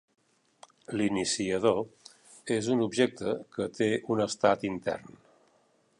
L'iniciador és un objecte que té un estat intern.